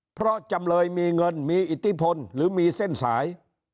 เพราะจำเลยมีเงินมีอิทธิพลหรือมีเส้นสาย